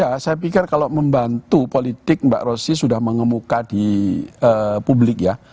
ya saya pikir kalau membantu politik mbak rosy sudah mengemuka di publik ya